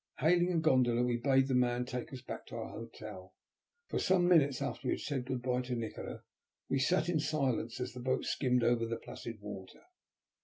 Hailing a gondola, we bade the man take us back to our hotel. For some minutes after we had said good bye to Nikola we sat in silence as the boat skimmed over the placid water.